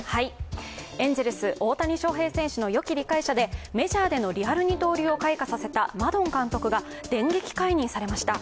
エンゼルス・大谷翔平選手のよき理解者でメジャーでのリアル二刀流を開花させたマドン監督が電撃解任されました。